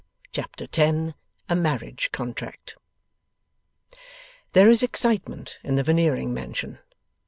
Chapter 10 A MARRIAGE CONTRACT There is excitement in the Veneering mansion.